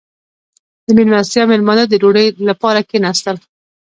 • د میلمستیا مېلمانه د ډوډۍ لپاره کښېناستل.